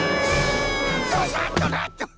ドサっとなっと。